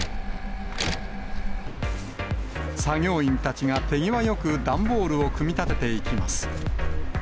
作業員たちが手際よく段ボールを組み立てていきます。